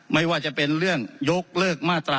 ไม่ว่าจะเป็นเรื่องยกเลิกมาตรา๑